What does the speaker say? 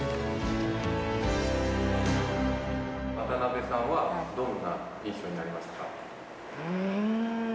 渡辺さんはどんな印象ありまうーん。